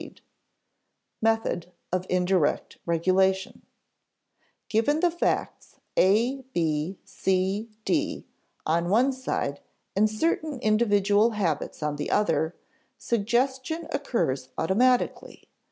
[Sidenote: Method of indirect regulation] Given the facts A B C D on one side and certain individual habits on the other, suggestion occurs automatically.